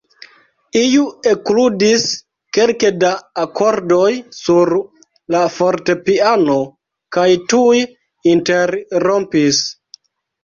Iu ekludis kelke da akordoj sur la fortepiano kaj tuj interrompis.